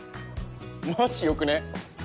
マジ良くね？